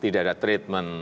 tidak ada treatment